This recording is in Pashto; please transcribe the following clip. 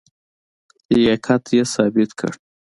لیاقت یې ثابت کړ.